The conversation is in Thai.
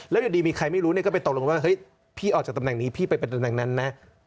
แล้วอยู่ดีมีใครไม่รู้เนี่ยก็ไปตกลงว่าเฮ้ยพี่ออกจากตำแหน่งนี้พี่ไปเป็นตำแหน่งนั้นนะ